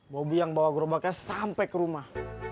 bobi yang bawa gerobaknya sampai ke rumah